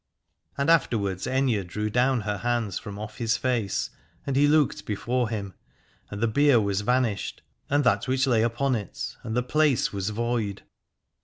And afterwards Aithne drew down her hands from off his face, and he looked before him : and the bier was vanished and that which lay upon it, and the place was void.